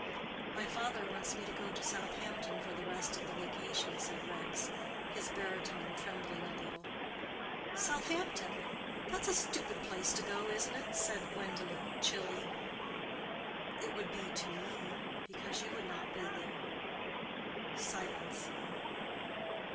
"My father wants me to go to Southampton for the rest of the vacation," said Rex, his baritone trembling a little. "Southampton! That's a stupid place to go to, isn't it?" said Gwendolen, chilly. "It would be to me, because you would not be there." Silence.